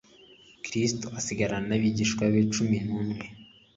Kristo asigarana n'abigishwa be cum] n'umwe.